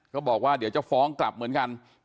ก็บอกว่าเดี๋ยวจะฟ้องกลับเหมือนกัน